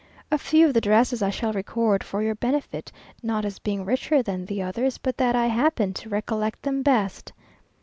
A few of the dresses I shall record for your benefit, not as being richer than the others, but that I happen to recollect them best.